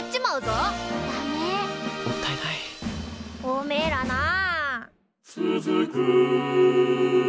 おめえらなあ。